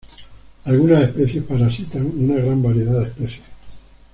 Algunas especies parasitan una gran variedad de especies.